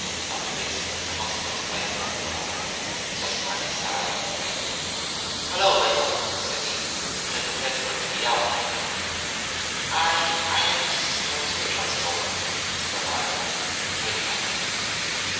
A policeman caused her to waver on a corner, just by his eye and weight. "Hello, Mabel!" said he. "Kind of late for you to be out, ain't it?" "I I am just going to the drug store," said Nevada, hurrying past him.